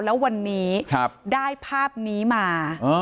แล้ววันนี้ได้ภาพนี้มา